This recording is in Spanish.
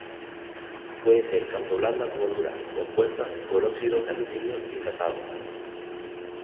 Puede ser tanto blanda como dura, compuesta por óxidos de aluminio hidratados.